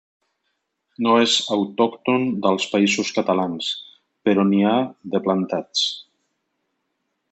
No és autòcton dels Països Catalans, però n'hi ha de plantats.